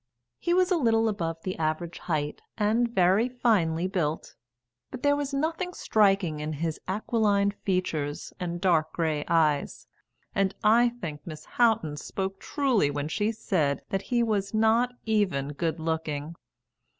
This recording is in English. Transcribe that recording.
He was a little above the average height and very finely built; but there was nothing striking in his aquiline features and dark grey eyes, and I think Miss Houghton spoke truly when she said that he was 'Not even good looking.'